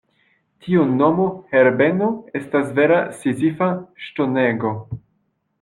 Tiu nomo Herbeno estas vera Sizifa ŝtonego.